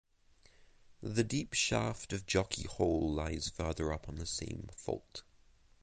The deep shaft of Jockey Hole lies further up on the same fault.